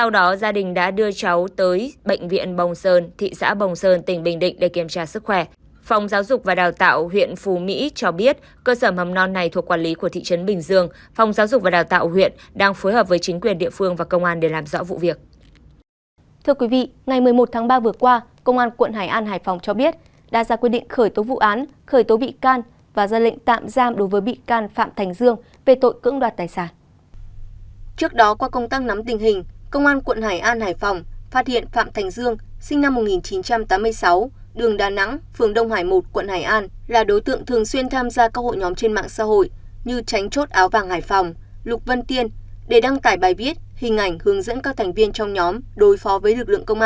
để đăng tải bài viết hình ảnh hướng dẫn các thành viên trong nhóm đối phó với lực lượng công an nhất là lực lượng cảnh sát giao thông